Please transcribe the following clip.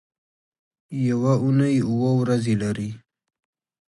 یوه اونۍ اووه ورځې لري